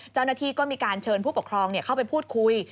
เจ้าหน้าที่ก็มีการเชิญผู้ปกครองเข้าไปพูดคุย